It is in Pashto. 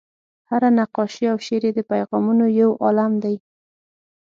هره نقاشي او شعر یې د پیغامونو یو عالم دی.